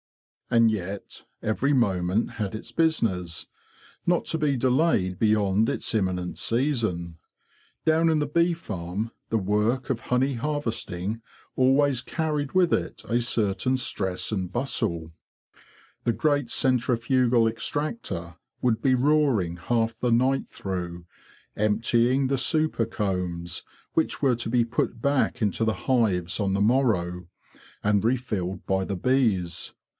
And yet every moment had its business, not to be delayed beyond its imminent season. Down in the bee farm the work of honey harvesting always 70 THE BEE MASTER OF WARRILOW carried with it a certain stress and bustle. The great centrifugal extractor would be roaring half the night through, emptying the super combs, which were to be put back into the hives on the morrow, and refilled by the bees.